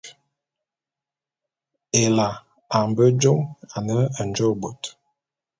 Ela a mbe jôm ane njôô bôt.